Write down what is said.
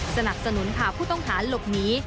สนับสนุนพาผู้ต้องหาหลบหนี